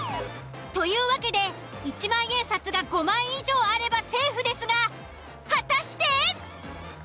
というわけで１万円札が５枚以上あればセーフですが果たして。